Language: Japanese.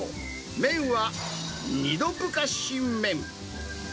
麺は二度蒸し麺。